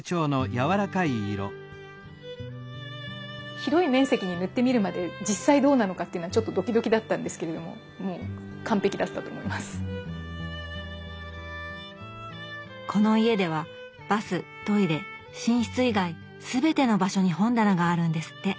広い面積に塗ってみるまで実際どうなのかっていうのはちょっとドキドキだったんですけれどもこの家ではバス・トイレ・寝室以外全ての場所に本棚があるんですって。